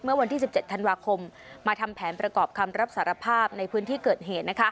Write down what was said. เมื่อวันที่๑๗ธันวาคมมาทำแผนประกอบคำรับสารภาพในพื้นที่เกิดเหตุ